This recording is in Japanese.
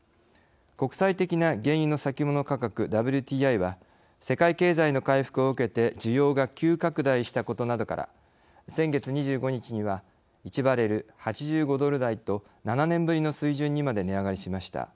国際的な原油の先物価格ＷＴＩは世界経済の回復を受けて需要が急拡大したことなどから先月２５日には１バレル８５ドル台と７年ぶりの水準にまで値上がりしました。